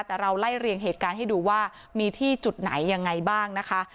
แต่เราไล่เรียงเหตุการณ์ให้ดูว่ามีที่จุดไหนยังไงบ้างนะคะ